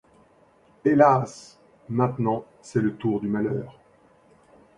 Hélas! maintenant c’est le tour du malheur.